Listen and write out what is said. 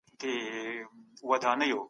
مرتد ته د توبې فرصت ورکول کېږي.